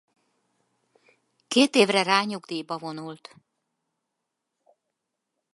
Két évre rá nyugdíjba vonult.